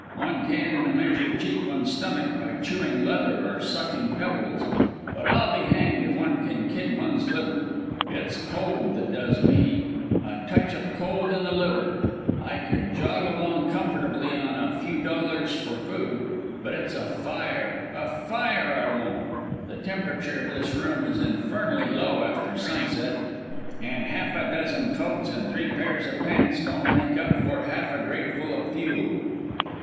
One can, in a measure, cheat one's stomach by chewing leather or sucking pebbles, but I'll be hanged if one can kid one's liver. It's cold that does me! A touch of cold on the liver! I could jog along comfortably on few dollars for food but it's a fire, a fire I want! The temperature of this room is infernally low after sunset: and half a dozen coats and three pairs of pants don't make up for half a grateful of fuel.